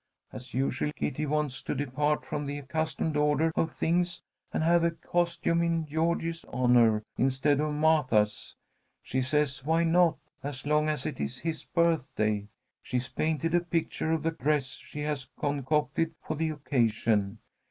As usual, Kitty wants to depart from the accustomed order of things, and have a costume in George's honour, instead of Martha's. She says why not, as long as it is his birthday. She's painted a picture of the dress she has concocted for the occasion.